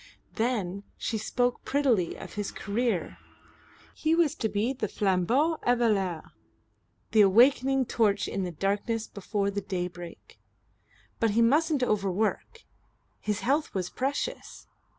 Then she spoke prettily of his career. He was to be the flambeau eveilleur, the awakening torch in the darkness before the daybreak. But he musn't overwork. His health was precious.